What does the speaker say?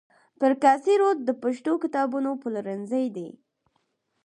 پر کاسي روډ د پښتو کتابونو پلورنځي دي.